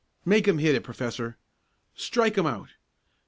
"Make him hit it, Professor!" "Strike him out!"